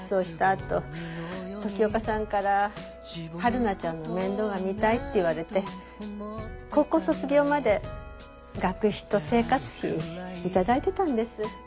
あと時岡さんからはるなちゃんの面倒が見たいって言われて高校卒業まで学費と生活費頂いてたんです。